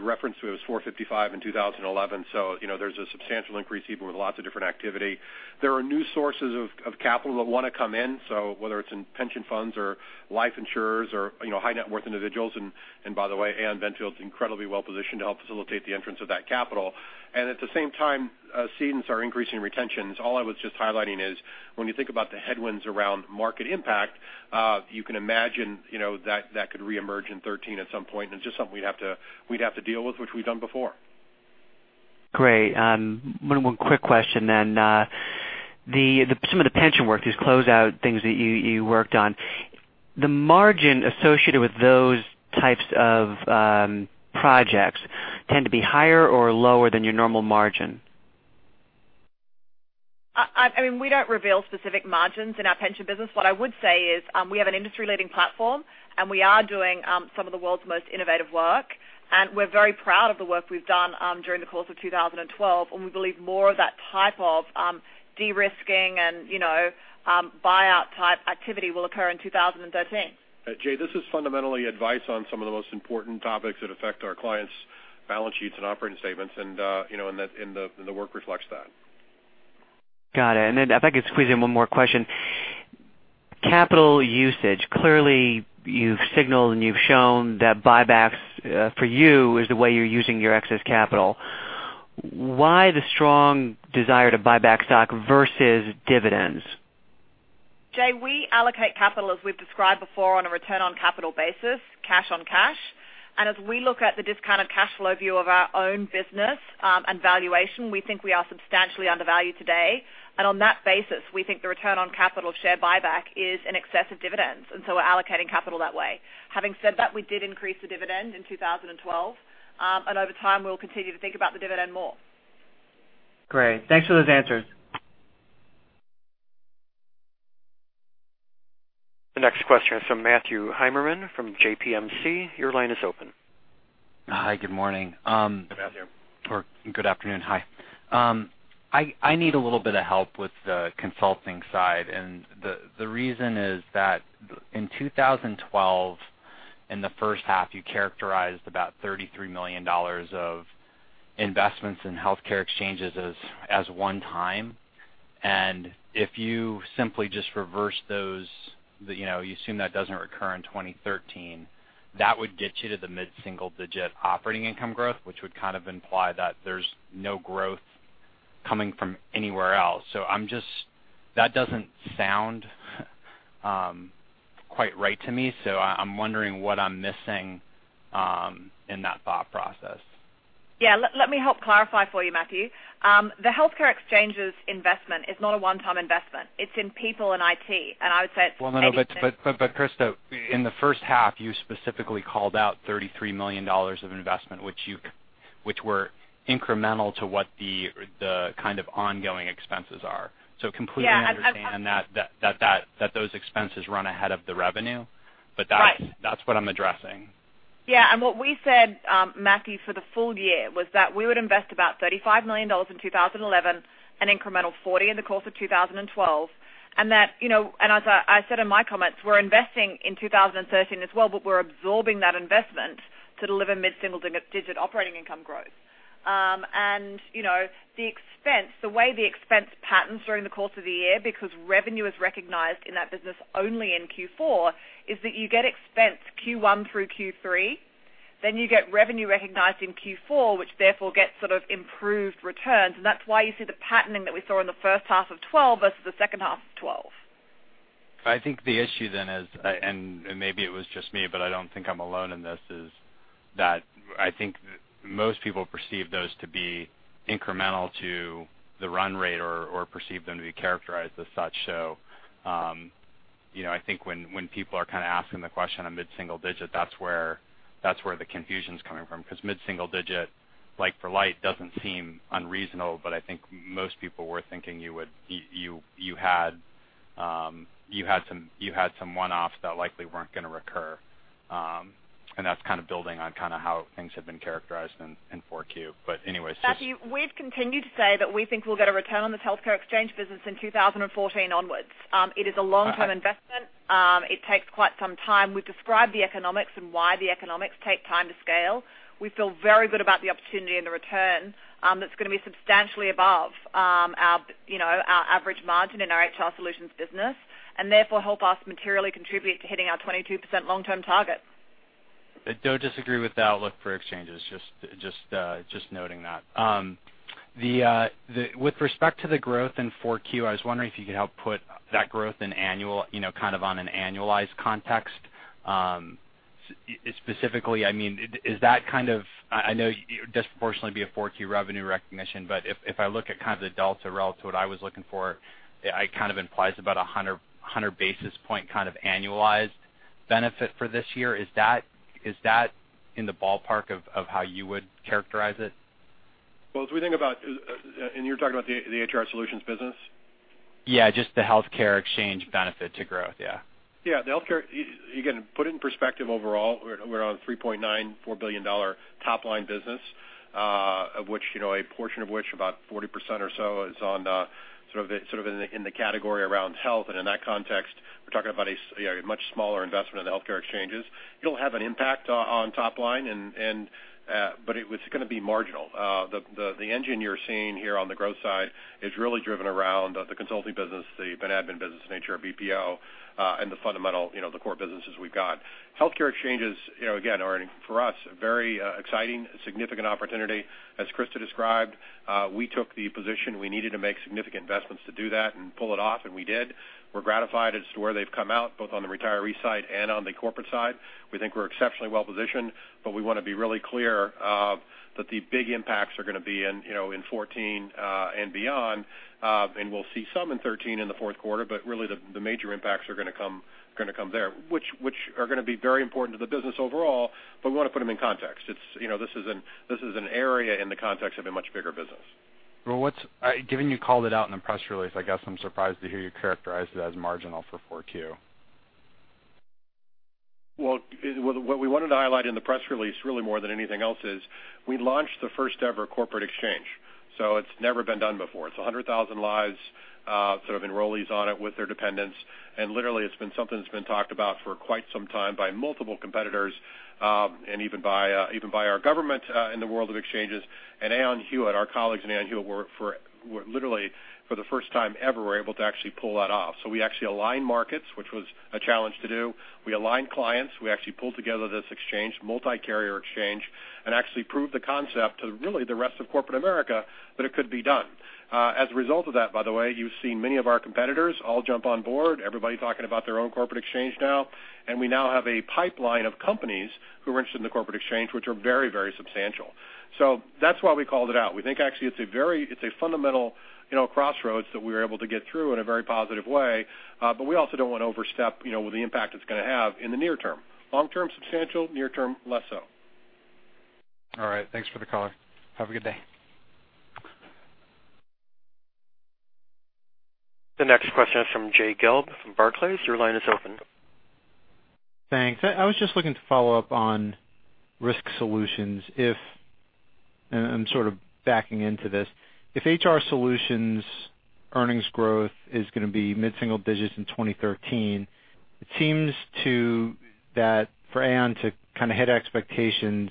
reference to it was $455 billion in 2011. There's a substantial increase, even with lots of different activity. There are new sources of capital that want to come in. Whether it's in pension funds or life insurers or high net worth individuals, and by the way, Aon Benfield's incredibly well positioned to help facilitate the entrance of that capital. And at the same time, cedents are increasing retentions. All I was just highlighting is when you think about the headwinds around market impact, you can imagine that could reemerge in 2013 at some point, and it's just something we'd have to deal with, which we've done before. Great. One quick question. Some of the pension work, these closeout things that you worked on. The margin associated with those types of projects tend to be higher or lower than your normal margin? I mean, we don't reveal specific margins in our pension business. What I would say is we have an industry-leading platform, and we are doing some of the world's most innovative work. We're very proud of the work we've done during the course of 2012, and we believe more of that type of de-risking and buyout type activity will occur in 2013. Jay, this is fundamentally advice on some of the most important topics that affect our clients' balance sheets and operating statements, and the work reflects that. Got it. If I could squeeze in one more question. Capital usage. Clearly, you've signaled and you've shown that buybacks for you is the way you're using your excess capital. Why the strong desire to buy back stock versus dividends? Jay, we allocate capital, as we've described before, on a return on capital basis, cash on cash. As we look at the discounted cash flow view of our own business and valuation, we think we are substantially undervalued today. On that basis, we think the return on capital share buyback is in excess of dividends. So we're allocating capital that way. Having said that, we did increase the dividend in 2012. Over time, we'll continue to think about the dividend more. Great. Thanks for those answers. The next question is from Matthew Heimermann from JPMorgan. Your line is open. Hi, good morning. Good Matthew. Good afternoon. Hi. I need a little bit of help with the consulting side, the reason is that in 2012, in the first half, you characterized about $33 million of investments in healthcare exchanges as one time. If you simply just reverse those, you assume that doesn't recur in 2013, that would get you to the mid-single digit operating income growth, which would kind of imply that there's no growth coming from anywhere else. That doesn't sound quite right to me, so I'm wondering what I'm missing in that thought process? Yeah, let me help clarify for you, Matthew. The healthcare exchanges investment is not a one-time investment. It's in people and IT, I would say it's Well, no, Christa, in the first half, you specifically called out $33 million of investment which were incremental to what the kind of ongoing expenses are. Completely Yeah understand that those expenses run ahead of the revenue. Right. That's what I'm addressing. What we said, Matthew, for the full year was that we would invest about $35 million in 2011, an incremental $40 in the course of 2012, as I said in my comments, we're investing in 2013 as well, but we're absorbing that investment to deliver mid-single digit operating income growth. The way the expense patterns during the course of the year, because revenue is recognized in that business only in Q4, is that you get expense Q1 through Q3, then you get revenue recognized in Q4, which therefore gets sort of improved returns, and that's why you see the patterning that we saw in the first half of 2012 versus the second half of 2012. I think the issue then is, maybe it was just me, but I don't think I'm alone in this, is that I think most people perceive those to be incremental to the run rate or perceive them to be characterized as such. I think when people are kind of asking the question on mid-single digit, that's where the confusion's coming from. Mid-single digit like for like doesn't seem unreasonable, but I think most people were thinking you had some one-offs that likely weren't going to recur, and that's building on how things have been characterized in Q4. Anyways. Matthew, we've continued to say that we think we'll get a return on this healthcare exchange business in 2014 onwards. It is a long-term investment. It takes quite some time. We've described the economics and why the economics take time to scale. We feel very good about the opportunity and the return, that's going to be substantially above our average margin in our HR Solutions business, and therefore help us materially contribute to hitting our 22% long-term target. I don't disagree with the outlook for exchanges, just noting that. With respect to the growth in Q4, I was wondering if you could help put that growth in annual, kind of on an annualized context. Specifically, I know it would disproportionately be a Q4 revenue recognition, but if I look at the delta relative to what I was looking for, it implies about 100 basis points annualized benefit for this year. Is that in the ballpark of how you would characterize it? Well, you're talking about the HR Solutions business? Yeah, just the healthcare exchange benefit to growth, yeah. Yeah. The healthcare, again, put it in perspective overall, we're on a GBP 3.94 billion top-line business, a portion of which, about 40% or so is in the category around health. In that context, we're talking about a much smaller investment in the healthcare exchanges. It'll have an impact on top line, it was going to be marginal. The Engine you're seeing here on the growth side is really driven around the consulting business, the admin business, HR BPO, and the fundamental core businesses we've got. Healthcare exchanges, again, are for us, a very exciting, significant opportunity. As Christa described, we took the position we needed to make significant investments to do that and pull it off, and we did. We're gratified as to where they've come out, both on the retiree side and on the corporate side. We think we're exceptionally well-positioned, we want to be really clear that the big impacts are going to be in 2014 and beyond. We'll see some in 2013 in the fourth quarter, really the major impacts are going to come there, which are going to be very important to the business overall, we want to put them in context. This is an area in the context of a much bigger business. Well, given you called it out in the press release, I guess I'm surprised to hear you characterize it as marginal for Q4. Well, what we wanted to highlight in the press release, really more than anything else, is we launched the first-ever corporate exchange, it's never been done before. It's 100,000 lives, enrollees on it with their dependents, literally it's been something that's been talked about for quite some time by multiple competitors, even by our government in the world of exchanges. Aon Hewitt, our colleagues in Aon Hewitt literally for the first time ever, were able to actually pull that off. We actually aligned markets, which was a challenge to do. We aligned clients. We actually pulled together this exchange, multi-carrier exchange, actually proved the concept to really the rest of corporate America that it could be done. As a result of that, by the way, you've seen many of our competitors all jump on board, everybody talking about their own corporate exchange now, and we now have a pipeline of companies who are interested in the corporate exchange, which are very, very substantial. That's why we called it out. We think actually it's a fundamental crossroads that we were able to get through in a very positive way, but we also don't want to overstep with the impact it's going to have in the near term. Long term, substantial. Near term, less so. All right. Thanks for the color. Have a good day. The next question is from Jay Gelb from Barclays. Your line is open. Thanks. I was just looking to follow up on Risk Solutions. I'm sort of backing into this. If HR Solutions earnings growth is going to be mid-single digits in 2013, it seems that for Aon to hit expectations,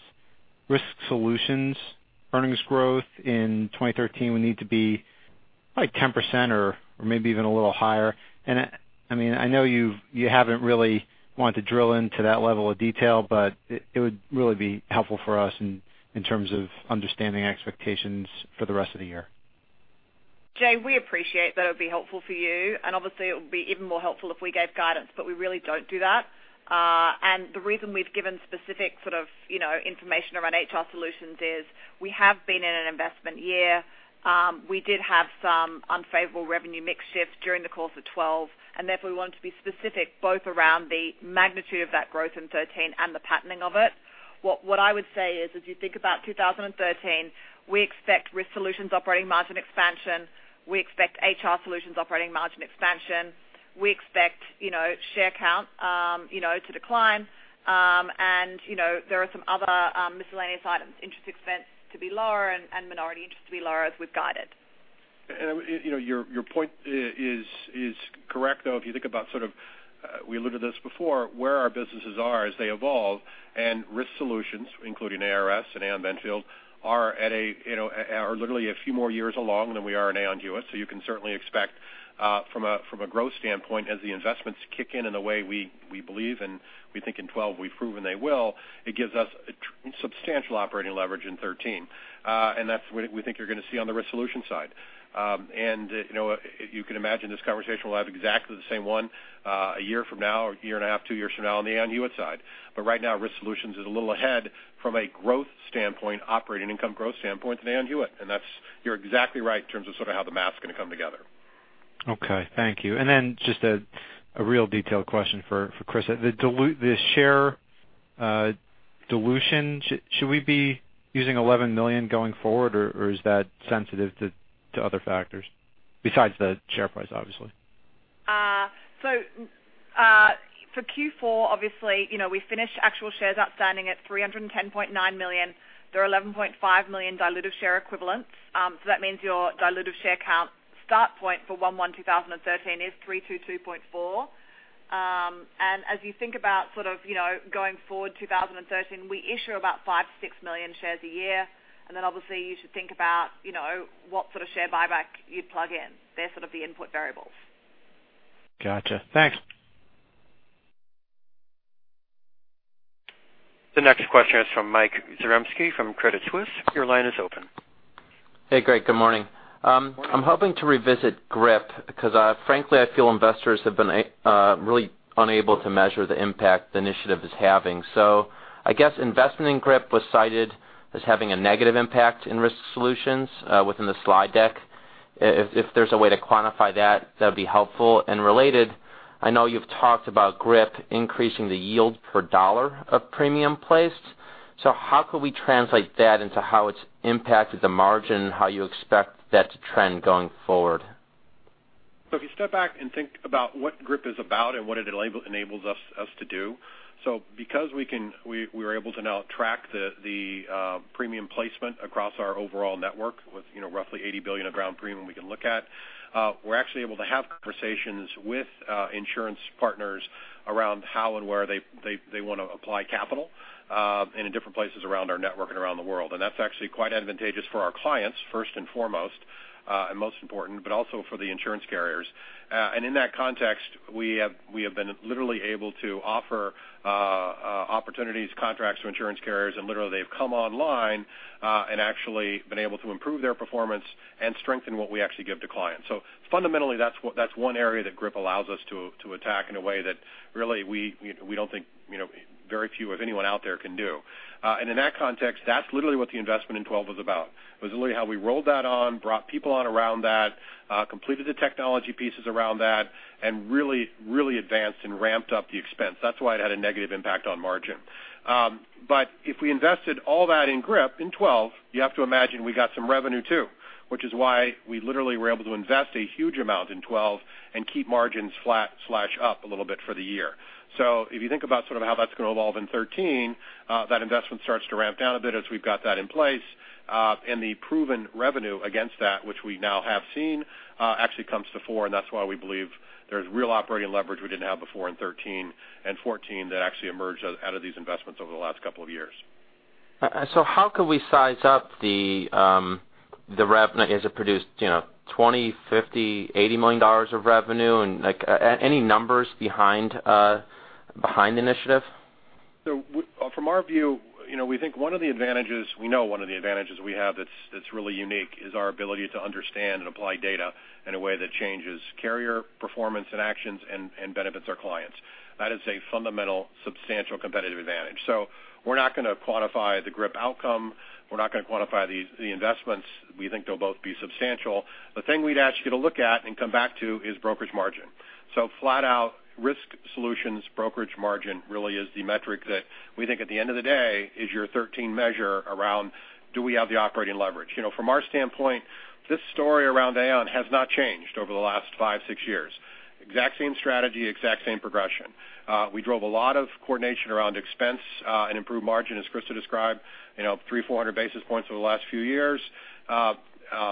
Risk Solutions earnings growth in 2013 would need to be 10% or maybe even a little higher. I know you haven't really wanted to drill into that level of detail, but it would really be helpful for us in terms of understanding expectations for the rest of the year. Jay, we appreciate that it would be helpful for you, obviously it would be even more helpful if we gave guidance, we really don't do that. The reason we've given specific sort of information around HR Solutions is we have been in an investment year. We did have some unfavorable revenue mix shifts during the course of 2012, therefore we wanted to be specific both around the magnitude of that growth in 2013 and the patterning of it. What I would say is, as you think about 2013, we expect Risk Solutions operating margin expansion. We expect HR Solutions operating margin expansion. We expect share count to decline, there are some other miscellaneous items, interest expense to be lower and minority interest to be lower as we've guided. Your point is correct, though, if you think about, we alluded to this before, where our businesses are as they evolve, Risk Solutions, including ARS and Aon Benfield, are literally a few more years along than we are in Aon Hewitt. You can certainly expect from a growth standpoint as the investments kick in the way we believe and we think in 2012 we've proven they will, it gives us substantial operating leverage in 2013. That's what we think you're going to see on the Risk Solutions side. You can imagine this conversation will have exactly the same one a year from now, or year and a half, two years from now on the Aon Hewitt side. Right now, Risk Solutions is a little ahead from a growth standpoint, operating income growth standpoint than Aon Hewitt. You're exactly right in terms of how the math's going to come together. Okay, thank you. Then just a real detailed question for Chris. The share dilution, should we be using $11 million shares going forward, or is that sensitive to other factors, besides the share price, obviously? For Q4, obviously, we finished actual shares outstanding at 310.9 million. There are 11.5 million dilutive share equivalents. That means your dilutive share count start point for 01/01/2013 is 322.4. As you think about going forward 2013, we issue about 5 million-6 million shares a year. Then obviously you should think about what sort of share buyback you'd plug in. They're sort of the input variables. Got you. Thanks. The next question is from Michael Zaremski from Credit Suisse. Your line is open. Hey, Greg. Good morning. I'm hoping to revisit GRIP because frankly, I feel investors have been really unable to measure the impact the initiative is having. I guess investment in GRIP was cited as having a negative impact in Aon Risk Solutions within the slide deck. If there's a way to quantify that'd be helpful. Related, I know you've talked about GRIP increasing the yield per dollar of premium placed. How could we translate that into how it's impacted the margin, how you expect that to trend going forward? If you step back and think about what GRIP is about and what it enables us to do. Because we were able to now track the premium placement across our overall network with roughly 80 billion of ground premium we can look at, we're actually able to have conversations with insurance partners around how and where they want to apply capital in different places around our network and around the world. That's actually quite advantageous for our clients, first and foremost, and most important, but also for the insurance carriers. In that context, we have been literally able to offer opportunities, contracts to insurance carriers, and literally they've come online and actually been able to improve their performance and strengthen what we actually give to clients. Fundamentally, that's one area that GRIP allows us to attack in a way that really we don't think very few, if anyone out there, can do. In that context, that's literally what the investment in 2012 was about. It was literally how we rolled that on, brought people on around that, completed the technology pieces around that, and really advanced and ramped up the expense. That's why it had a negative impact on margin. If we invested all that in GRIP in 2012, you have to imagine we got some revenue too, which is why we literally were able to invest a huge amount in 2012 and keep margins flat/up a little bit for the year. If you think about how that's going to evolve in 2013, that investment starts to ramp down a bit as we've got that in place. The proven revenue against that, which we now have seen, actually comes to fore, and that's why we believe there's real operating leverage we didn't have before in 2013 and 2014 that actually emerged out of these investments over the last couple of years. How could we size up the revenue? Is it produced $20 million, $50 million, $80 million of revenue? Any numbers behind the initiative? From our view, we know one of the advantages we have that's really unique is our ability to understand and apply data in a way that changes carrier performance and actions and benefits our clients. That is a fundamental, substantial competitive advantage. We're not going to quantify the GRIP outcome. We're not going to quantify the investments. We think they'll both be substantial. The thing we'd ask you to look at and come back to is brokerage margin. Flat out, Risk Solutions brokerage margin really is the metric that we think at the end of the day is your 2013 measure around do we have the operating leverage? From our standpoint, this story around Aon has not changed over the last five, six years. Exact same strategy, exact same progression. We drove a lot of coordination around expense and improved margin, as Chris had described, 300, 400 basis points over the last few years.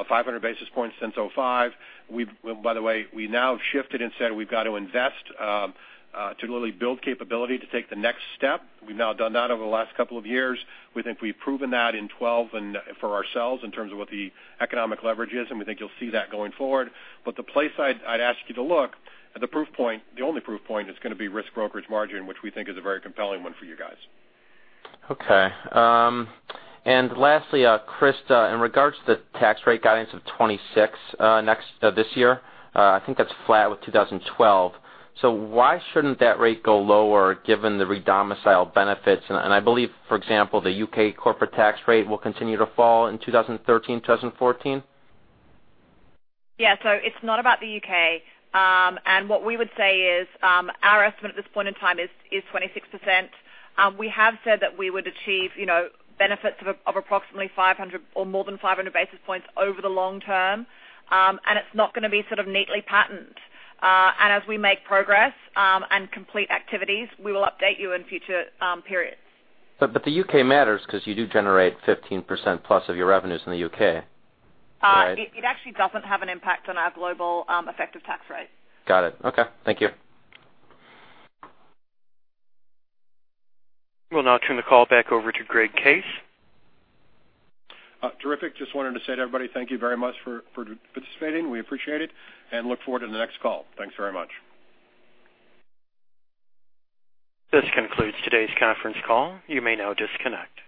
500 basis points since 2005. By the way, we now have shifted and said we've got to invest to literally build capability to take the next step. We've now done that over the last couple of years. We think we've proven that in 2012 for ourselves in terms of what the economic leverage is, and we think you'll see that going forward. The place I'd ask you to look at the proof point, the only proof point is going to be Risk brokerage margin, which we think is a very compelling one for you guys. Okay. Lastly, Chris, in regards to the tax rate guidance of 26% this year, I think that's flat with 2012. Why shouldn't that rate go lower given the re-domicile benefits? I believe, for example, the U.K. corporate tax rate will continue to fall in 2013, 2014. Yeah. It's not about the U.K. What we would say is our estimate at this point in time is 26%. We have said that we would achieve benefits of approximately 500 or more than 500 basis points over the long term. It's not going to be neatly patterned. As we make progress and complete activities, we will update you in future periods. The U.K. matters because you do generate 15% plus of your revenues in the U.K. Right? It actually doesn't have an impact on our global effective tax rate. Got it. Okay. Thank you. We'll now turn the call back over to Greg Case. Terrific. Just wanted to say to everybody, thank you very much for participating. We appreciate it and look forward to the next call. Thanks very much. This concludes today's conference call. You may now disconnect.